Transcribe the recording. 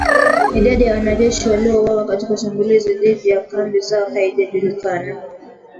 Idadi ya wanajeshi waliouawa katika shambulizi dhidi ya kambi zao haijajulikana